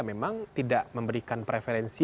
memang tidak memberikan preferensi